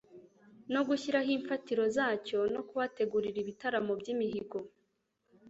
no gushyiraho imfatiro zacyo no kuhategurira ibitaramo by'imihigo